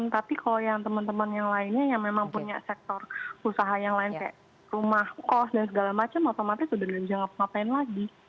tapi kalau yang teman teman yang lainnya yang memang punya sektor usaha yang lain kayak rumah kos dan segala macam otomatis udah gak bisa ngapa ngapain lagi